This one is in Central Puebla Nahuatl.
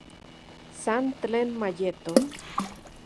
San tlen mayeto